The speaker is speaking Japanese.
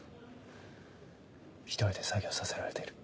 １人で作業させられている。